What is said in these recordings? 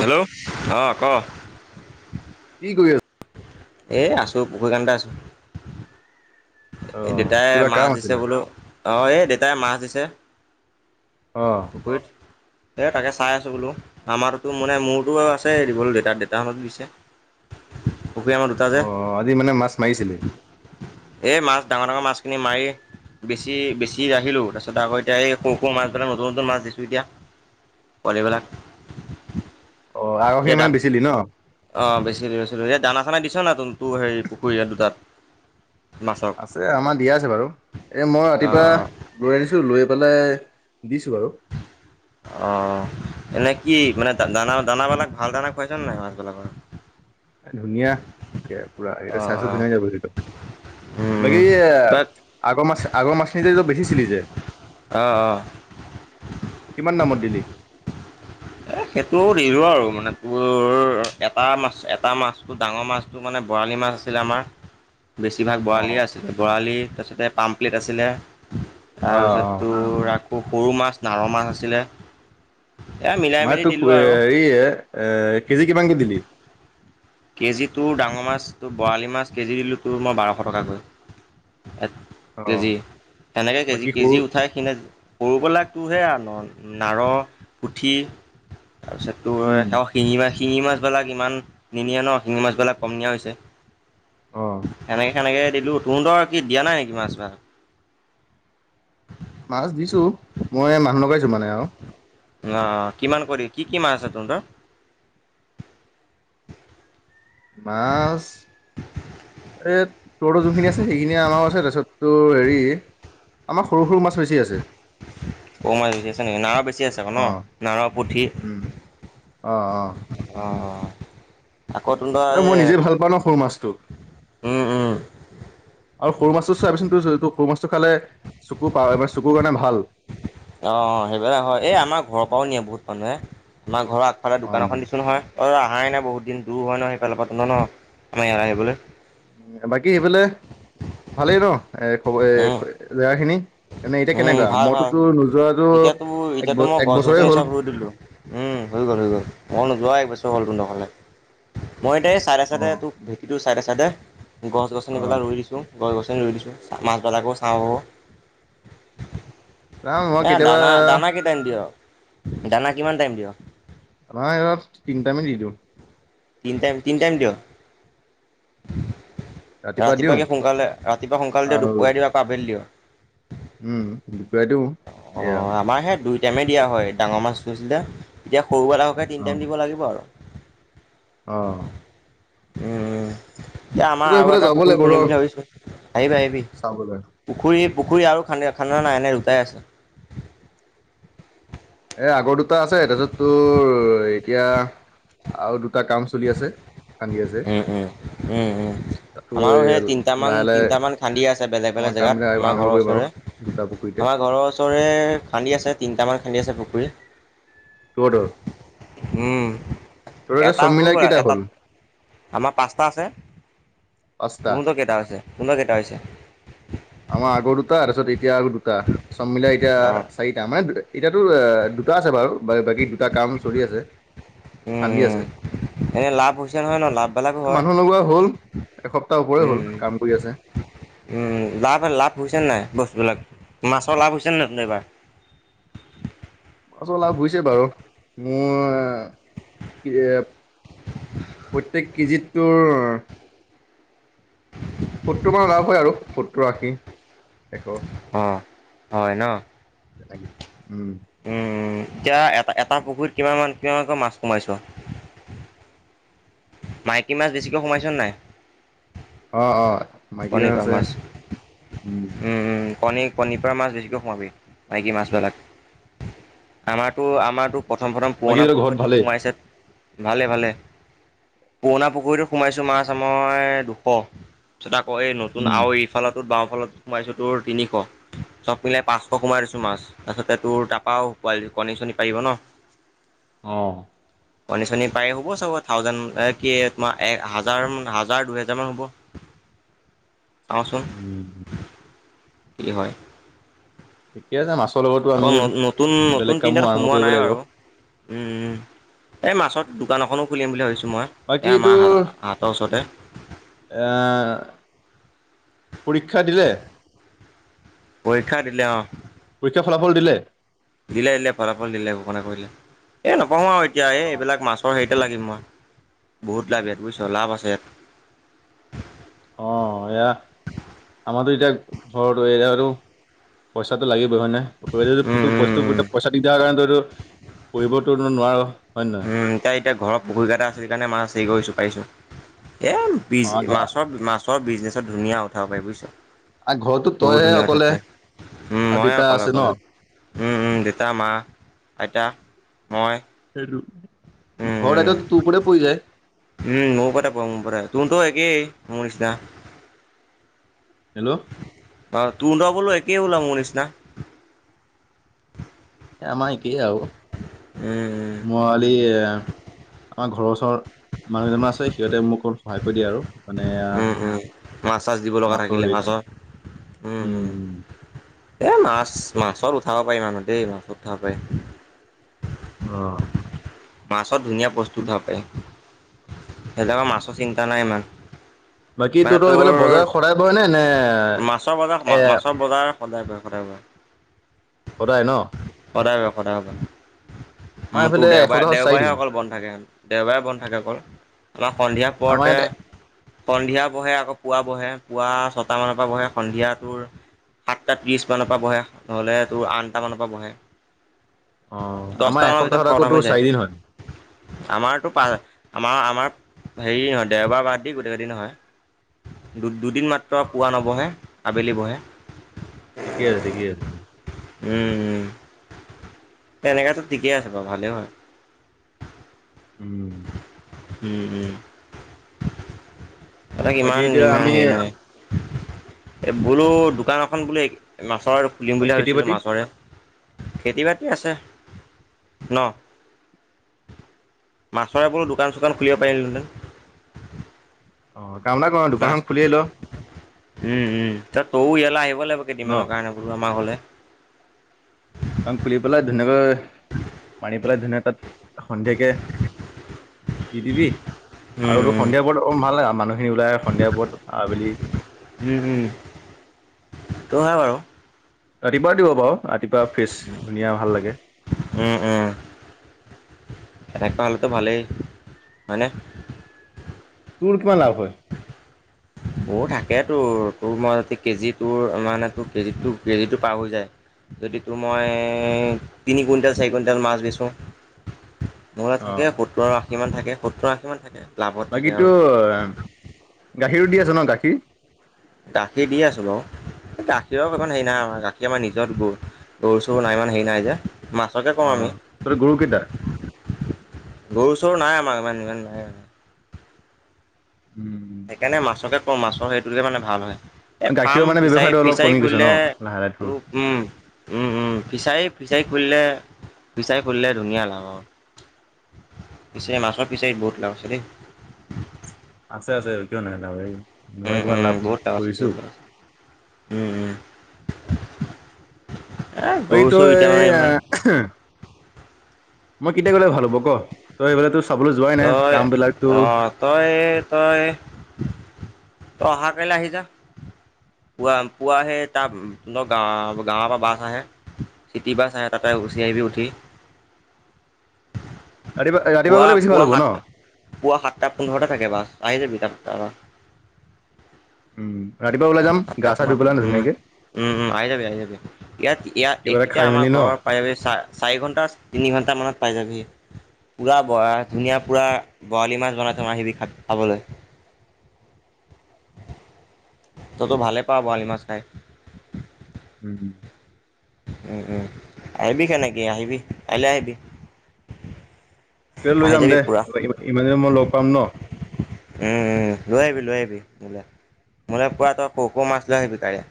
Hello? অ'! ক'? কি কৰি আ এ, আছোঁ, পুখুৰী খনতে আছোঁ। অ এ, দেউতাই কিবা মাছ কাম দিছে আছিলে বোলোঁ। অ'! এই দেউতাই মাছ দিছে, অ পুখুৰীত। এ, তাকে, চাই আছোঁ বোলোঁ। আমাৰতো টো মানে, মোৰতো আৰু আছে। [unintelligible] দেউতা, দেউতাহঁতে দিছে। পুখুৰী আমাৰ দুটা যে অ'! আজি মানে, মাছ মাৰিছিলি? এই মাছ, ডাঙৰ - ডাঙৰ মাছখিনি মাৰি বেছি - বেছি আহিলোঁ। তাৰপিছত, আকৌ এতিয়া, এই সৰু- সৰু মাছ, নতুন- নতুন মাছ দিছোঁ এতিয়া। পোৱালি বিলাক অ'! আগৰখিনি মানে বেচিলি ন'? [unintelligible] এই, দানা চানা দিছ নাই? তোৰ, তো হে পুখুৰী দুটাত মাছক? এই, আমাক দিয়া আছে বাৰু। এ, মই ৰাতিপুৱা অঁ লৈ আনিছিলোঁ। লৈ পেলাই দিছোঁ বাৰু। অ'! এনে কি? মানে, দানা - দানাবিলাক, ভাল দানা খুৱাইছা নাই মাছবিলাকৰ? ধুনীয়া! এইয়া পুৰা এই অ', স্বাস্থ্য অ', ধুনীয়াই যাব সেইটো। বাকী উম, এ, বাট আগৰ মাছ, আগৰ মাছ নি যে বেছি চিলি যে? অ'! অ'! কিমান দামত দিলি? এ, সেইটো দিলোঁ আৰু মানে, তোৰ এটা মাছ, এটা মাছটো ডাঙৰ মাছটো মানে, বৰালি মাছ আছিলে আমাৰ। বেছিভাগ অ বৰালি আছিলে, বৰালি, তাৰপিছতে পামপ্লেট আছিলে। অ অ তাৰপিছত, তোৰ আকৌ, সৰু মাছ, নাৰ মাছ আছিলে। মিলাই মই মেলি তোক, দিলোঁ আৰু। হেৰি এ, কেজি কিমানকে দিবি? কেজিটো ডাঙৰ মাছ, বৰালি মাছ, কেজি দিলোঁ তোৰ, মই বাৰশ টকাকৈ। এক অ কেজি, সেনেকে কেজি বাকী - সৰু কেজি উঠাই কিনে সৰুবিলাকটোহে [unintelligible] নাৰ, পুঠি তাৰপিছত তোৰ, উম শিঙি মাছ - শিঙি মাছবিলাক ইমান নিনিয়ে ন'? শিঙি মাছবিলাক কম নিয়া হৈছে। অ সেনেকে, কেনেকে দিলোঁ। তহঁতৰ কি দিয়া নাই নেকি মাছ - মাছ? মাছ দিছোঁ। মই মানুহ লগাইছোঁ মানে আৰু। অ'! কিমান কৰি, কি কি মাছ আছে তহঁতৰ? [inaudible] মাছ এ, তোৰো যোনখিনি আছে, সেইখিনিয়ে আমাৰো আছে। তাৰপিছত, তোৰ হেৰি আমাৰ সৰু - সৰু মাছ বেছি আছে। সৰু মাছ বেছি আছে নেকি? নাৰ বেছি আছে আকৌ ন'? অ নাৰ, পুঠি। উম অ অ অ'! আকৌ, এ মই নিজে [unintelligible] ভাল পাওঁ ন সৰু মাছটো উম! উম! আৰু সৰু মাছটো চাবিচোনটো? সৰু মাছটো খালে, চকু পা মানে, চকুৰ কাৰণে ভাল। অ' অ'! সেইবিলাক হয়! এই আমাৰ ঘৰৰ পৰাওঁ নিয়ে, বহুত মানুহে। আমাৰ ঘৰত সদায় অ দোকান এখন দিছোঁ নহয়? অ' আহাই নাই বহুত দিন। দূৰ হয় ন' সেইফালৰ পৰা [unintelligible] ন'? আমাৰ ইয়াত আহিবলৈ। বাকী সেইফালে, ভালেই ন'? এ, খবৰ এ, উম জেগা খিনি? এতিয়া উম কেনেকুৱা? ভাল মোৰতো ভাল তোৰ দুজনে এতিয়াতো এতিয়াতো মই গছ গছনি চব ৰুই দিলো। উম হৈ গ'ল হৈ গ'ল মই নোযোৱা একবছৰ হ'ল তক মই এতিয়া এই চাইডে অ চাইডে তোক ভেটিটো চাইডে চাইডে গছ গছনিবিলাক ৰুই দিছোঁ। গছ গছনি ৰুই দিছো মাছবিলাকো চাওঁ হব যাম মই এ কেতিয়াবা দানা দানা কেই টাইম দিয় দানা কিমান টাইম দিয়? অ তিন টাইমে দি দিওঁ। তিনি টাইম তিনি টাইম দিয় ৰাতিপুৱা কি সোনকালে ৰাতিপুৱা সোনকালে দিয়, দুপৰিয়া দিয় আৰু আবেলি দিয়। উম দুইটাই দিওঁ এয়া টাইমে দিয়া হয় ডাঙৰ মাছটো লৈছিলে। এতিয়া সৰুবিলাককে তিনি টাইম দিব লাগিব আৰু আহ উম এ আমাৰ আগত সেইফালে এটা যাব পুখুৰী লাগিব ৰ খুলিম বুলি ভাবিছো। আহিবি আহিবি চাবলৈ পুখুৰীত পুখুৰী আৰু খান্দ খান্দা নাই এনে দুটাই আছে। এ আগৰ দুটা আছে তাৰপিছত তোৰ এতিয়া আৰু দুটা কাম চলি আছে খান্দি আছে। উম উম। উম উম তাতো আমাৰো এই সেই তিনটামান লাহে লাহে তিনটামান খান্দি আছে। বেলেগ আমাৰ বেলেগ কাম জেগাত বিলাক আমাৰ আৰম্ভ ঘৰৰ কৰিম আৰু ওচৰে দুটা পুখুৰীতে আমাৰ ঘৰৰ ওচৰৰে খান্দি আছে তিনিটামান খান্দি আছে পুখুৰী দূৰত দূৰত এটা হৈ মিলাই গ'ল কেইটা হ'ল এটাত আমাৰ পাঁচটা আছে। পাঁচটা তোহোত কেইটা হৈছে তোহোত কেইটা হৈছে আমাৰ আগৰ দুটা তাৰপিছত এতিয়া দুটা চবমিলাই এতিয়া অঁ। চাৰিটা মানে এতিয়াতো এ দুটা আছে বাৰু বাকী দুটা কাম চলি আছে। উম খান্দি উম আছে এনে লাভ হৈছে নহয় ন লাভবিলাকো হয় মানুহ লগোৱা হ'ল। এসপ্তাহ ওপৰে হ'ল উম কাম কৰি আছে উম লাভ বাৰ লাভ হৈছে নাই বস্তুবিলাক মাছৰ লাভ হৈছে ন নাই তহত এইবাৰ মাছৰ লাভ হৈছে বাৰু মোৰ কি এ প্ৰত্যেক কেজিত তোৰ সত্তৰ মানৰ লাভ হয় আৰু সত্তৰ আশী এশ অঁ হয় ন উম উম, এতিয়া এটা এটা পুখুৰীত কিমানমান কিমানকৈ মাছ সোমাইছে? মাইকী মাছ বেছিকৈ সোমাইছ নাই? অ অ মাইকী মানুহ কণীপৰা আছে মাছ উম কণী কণীপৰা মাছ বেছিকৈ সোমাবি মাইকী মাছবিলাক। আমাৰতো আমাৰতো প্ৰথম প্ৰথম বাকী পুৰণা তহঁতৰ ঘৰত পুখুৰীটো ভালেই সোমাইছে ভালে ভালে পুৰণা পুখুৰীতো সোমাইছো মাছ আমই দুশ। ক এই নতুন উম আও এইফালতোত বাওঁফালতোত সোমাইছোঁ তোৰ তিনিশ। চব মিলাই পাঁচশ সোমাই দিছো মাছ তাৰছতে তোৰ তাৰপৰাও কণীচনী পাৰিব ন আহ কণী চনী পায় হ'ব চব থাউজেণ্ড কি তোমাৰ হাজাৰ হাজাৰ দু হেজাৰ মান হ'ব। [inaudible] চাওঁচোন। উম কি হয় ঠিকে আছে মাছ আকৌ নতুন নতুন তিনিটাত আৰম্ভ সোমোৱা কৰিব নাই লাগিব বাৰু উম এই মাছত দোকান এখনো খুলিম বুলি ভাবিছো মই। বাকী এই আমাৰ হ হাটৰ ওচৰতে আহ পৰীক্ষা দিলে? পৰীক্ষা দিলে অ পৰীক্ষা ফলাফল দিলে। দিলে দিলে ফলাফল দিলে ঘোষণ কৰিলে এ নকও আৰু এতিয়া এই এইবিলাক মাছৰ হে তে লাগিম মই বহুত লাভ ইয়াত বোইছ লাভ আছে ইয়াত অ এয়া। আমাৰো এতিয়া ঘৰত এ পইচাটো লাগিব উম উম বস্তু পইচা দিগদাৰ নাই তইটু পঢ়িবটো নোৱাৰো হয় নে উম তাই এতিয়া ঘৰৰ পুখুৰীকেইটা আছিল কাৰণে মাছ হৰি কৰিছো পাৰিছো। এ নহয়? মাছৰ মাছৰ বিজনেচত ধুনীয়া উঠাব পাৰি বুজিছ অ' ঘৰতো বহুত তইহে ধুনীয়া অকলে থাকে উম আৰু ময় দেউতা অকলে আছে ন? অকলে উম উম আইতা মা আইতা মই উম ঘৰ উম। দায়িত্ব তোৰ ওপৰতে পৰি যায় উম মোৰ ওপৰতে পৰে মোৰ ওপৰতে তোৰতো একেই মোৰ নিচিনা হেল্ল'। তোৰ বোলো একেই বোলো মোৰ নিচিনা এ আমাৰ একেই আৰু উম উম মই আলি আমাৰ ঘৰৰ ওচৰৰ মানুহ কেইজনমান আছে সিহঁতে মোক অলপ সহায় কৰি দিয়ে আৰু মানে উম উম মাছ চাছ দিব লগা মাছৰ থাকিলে হেৰি উম এ মাছ মাছত উঠাব পাৰি মানুহ দেই মাছত উঠাব পাৰি। অ মাছত ধুনীয়া বস্তু উঠাব পাৰি সেইটো মাছৰ চিন্তা নাই ইমান। বাকী মানে তহঁতৰ তোৰ এইফালে বজাৰ সদায় বহে নে নে মাছৰ বজাৰ এ মাছৰ বজাৰ সদায় বহে সদায় বহে সদায় ন সদায় সদায়। আমাৰ উ তোৰ এইফালে দেওবাৰে এসপ্তাহত দেওবাৰে চাৰিদিন। অকল বন্ধ থাকে দেওবাৰে বন্ধ থাকে অকল আমাৰ সন্ধিয়া আমাৰ পৰতে ইয়াত সন্ধিয়া বহে আকৌ পুৱা বহে পুৱা ছটা মানৰ পৰা বহে সন্ধিয়াটোৰ। সাতটা ত্ৰিশ মানৰ পৰা বহে নহলে তোৰ আঠটা মানৰ পৰা বহে অ' আমাৰ দহটা মানৰ ভিতৰত এসপ্তাহত আকৌ খটম তোৰ হৈ চাৰিদিন হয়। যায় আমাৰটো পা আমাৰ আমাৰ হেৰি নহয় দেওবাৰ বাদ দি গোটেইকেইদিন হয়। দুদিন মাত্ৰ পোৱা নবহে আবেলি বহে ঠিকে আছে ঠিকে আছে। উম উম তেনেকেতো ঠিকেই আছে বাৰু ভালে হয় উম, উম উম তাক বাকী ইমান এতিয়া ইমান হেৰি আমি নহয় এ বোলো দোকান এখন বোলে মাছৰ খুলিম এই বুলি খেতি ভাবিছিলো বাতি মাছৰে খেতি বাতি আছে ন মাছৰে বোলো দোকান চোকান খুলিব পাৰিলোহেঁতেন অ কাম এটা কৰা দোকানখন মাছটো খুলিয়ে ল উম উম ত তও ইয়ালৈ আহিব লাগিব ন কেইদিনমানৰ কাৰণে বোলো আমাৰ ঘৰলে অ খুলি পেলাই ধুনীয়াকৈ মানি পেলাই ধুনীয়াকৈ তাত সন্ধিয়াকে দি দিবি উম আৰুটো উম সন্ধিয়াৰ পৰত ভাল লাগে মানুহখিনি ওলাই সন্ধিয়া পৰত আবেলি উম উম হয় বাৰু ৰাতিপুৱা দিব বাৰু ৰাতিপুৱা ফ্ৰেছ ধুনীয়া ভাল লাগে এনেকোৱা হ'লেতো ভালেই হয়নে তোৰ কিমান লাভ হয় মোৰ থাকে তোৰ তোৰ মই কেজি ত মানে তোৰ কেজি কেজিটো পাৰ হৈ যায় যদি তো মই তিনি কুইণ্টেল চাৰি কুইণ্টেল মাছ বেছো। নহ'লে অ থাকে সত্তৰ আৰু আশী মান থাকে সত্তৰ আশী মান থাকে। লাভত থাকে বাকীতো আৰু গাখীৰো দি আছ ন গাখীৰ। গাখীৰ দি আছোঁ বাৰু। গাখীৰৰ ইমান হেৰি নাই আমাৰ গাখীৰ আমাৰ নিজৰ গৰু গৰু চৰু নাই মানে হেৰি নাই যে। মাছকে কওঁ অ আমি তহতৰ গৰুকেইটা। গৰু চৰু নাই আমাৰ ইমান ইমান নাই। উম সেইকাৰণে মাছকে কওঁ মাছৰ সেইটোতে মানে ভাল হয়। এই গাখীৰৰ ফাৰ্ম মানে ফিচাৰী ব্যৱসায়টো অলপ ফিচাৰী কমি গৈছে খুলিলে ন লাহে লাহে তোৰ উম উম উম ফিচাৰী ফিচাৰী খুলিলে ফিচাৰী খুলিলে ধুনীয়া লাভ আৰু। পিছে মাছৰ ফিছাৰিত বহুত লাভ আছে দেই। আছে আছে কিয় নাই বাৰু মই উম কিমান উম লাভ বহুত আছে বহুত কৰিছোঁ। লাভ আছে উম উম। এ অ গৰু এইটো চৰু এতিয়া এ মানে আ ইমান হে মই কেতিয়া গ'লে ভাল হ'ব ক তই গ'লে তোৰ তই আহ তই তই অহা কাইলৈ আহি যা। পুৱা পুৱা সেই তাৰ গাৱ গাঁৱৰ পৰা বাছ আহে। চিটি বাছ আহ তাতে গুচি আহিবি উঠি। [unintelligible] ৰাতিপুৱা ৰাতিপুৱা পুৱা গ'লে বেছি ভাল। পুৱা হ'ব ন সাত পুৱা সাতটা পোন্ধৰতে থাকে বাছ আহি যাবি তাৰ পৰা। উম ৰাতিপুৱা ওলাই যাম। সাত টা গা চা ধুই পোন্ধৰত পেলাই থাকে উম ধুনীয়াকে উম উম আহি যাবি আহি যাবি ইয়াত ইয়াত কিবা এই এটা খাই মেলি আমাৰ ন ঘৰৰ পাইভে চা চাৰি ঘন্টা তিনি ঘন্টা মানত পাই যাবিহি পুৰা বৰা ধুনীয়া পুৰা বৰালি মাছ বনাই থম আহিবি খা খাবলে। তইতো ভালে পাওঁ বৰালি মাছ খাই। উম। উম উম আহিবি সেনেকে আহিবি কাইলে আহিবি। কিবা লৈ আহি যাম যাবি দে পুৰা ইমান দিনত মই লগ পাম ন উম উম লৈ আহিবি লৈ আহিবি। মোলে মোলে পুৰা তই পুখুই মাছ লৈ আহিবি কাইলৈ।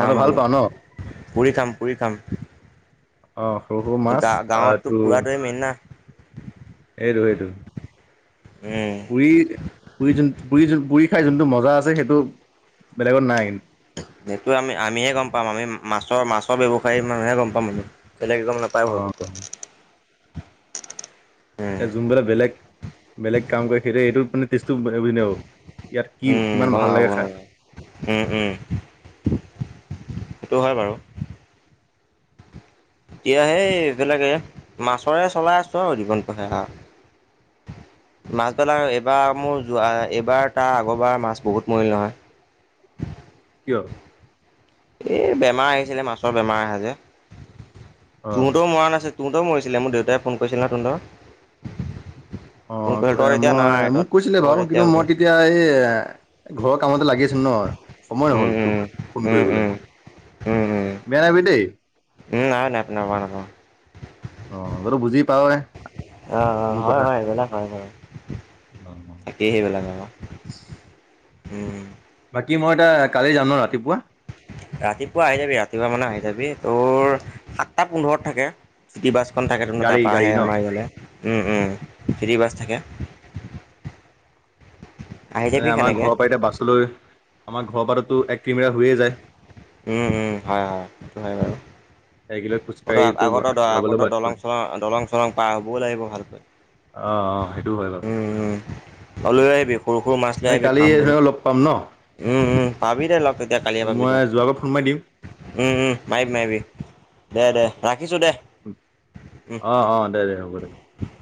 অ তই ভাল পাওঁ ন। পুৰি খাম পুৰি খাম। অ সৰু সৰু মাছ গা অহ গাঁৱততো তোৰ। পুৰাটোৱে মেইন না এইটো এইটো। উম পুৰি পুৰি যোন পুৰি পুৰি খাই যোনটো মজা আছে সেইটো। বেলেগত নাই। সেইটো আমি আমিহে গম পাম আমি মাছৰ মাছৰ ব্যৱসায় মানুহে গম পাম। বেলেকে গম নাপায় অ ভপকৈ। এ যোনবলে বেলেগ বেলেগ কাম কৰে সেইটো সেইটো মানে। ত বুজাব নোৱাৰি ইয়াত কি উম কিমান গম ভাল নাপাব লাগে গম খাই। নাপাব উম উম [unintelligible] সেইটো হয় বাৰু। এতিয়া সেই এইবিলাকে মাছৰে চলাই আছো আৰু জীমান পাৰোঁ সেই আৰু। মাছবিলাক এইবাৰ মোৰ যোৱা এইবাৰ তাৰ আগৰবাৰ মাছ বহুত মৰিল নহয়। অ। এ বেমাৰ আহিছিলে মাছৰ বেমাৰ আহে যে অ তহঁতৰ মৰা নাছিল। তহঁতৰও মৰিছিলে মোৰ দেউতাই ফোন কৰিছিল ন তহঁতৰ। ফোন কৰিছিল অ তই তেতিয়া মই নাই তই মোক কৈছিলে তই বাৰু তেতিয়া কিন্তু মই তেতিয়া এই ঘৰৰ কামতে লাগি আছিলোঁ। ন সময় উম হ'ল তোক উম ফোন উম উম কৰিবলৈ উম উম বেয়া নাপাবি দেই। উম নাই, নাই। নাপাওঁ নাপাওঁ অ তই টো বুজি পাওৱে আহ অ হয় হয় এইবিলাক হয় বাৰু সেই সেইবিলাক আও। উম বাকী মই এটা কালি যাম ন ৰাতিপুৱা ৰাতিপুৱা আহি যাবি ৰাতিপুৱা মানে আহি যাবি তোৰ সাতটা পোন্ধৰত থাকে চিটি বাছ। থাকে তেনো গাড়ী তাৰপৰা গাড়ী আহে ন আমাৰ ইয়ালে উম উম ফিৰি বাছ থাকে আহি যোন যাবি আমাৰ সেনেকে ঘৰৰ পৰা এতিয়া বাছলৈ আমাৰ ঘৰৰ পৰাটো এক কিলোমিটাৰ হৈয়ে যায়। উম উম হয় হয় সেইটো হয় এক কিলো বাৰু খোজকাঢ়িতো আকৌ যাবলৈ তই বাদ দলং পৰে। দলং চলং পাৰ হবও লাগিব ভালকৈ অ অ সেইটো হয় আৰু ত লৈ আহিবি সৰু সৰু মাছ লৈ আহিবি খাম বোলো লগ পাম ন উম উম পাবি দে লগ তেতিয়া কালিয়ে তোক পাবি মই দে যোৱাৰ আগত ফোন মাৰি দিম উম উম মাৰিবি মাৰিবি দে দে ৰাখিছো দে উম অ' অ' দে দে হ'ব দে উম।